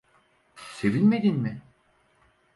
Sevinmedin mi?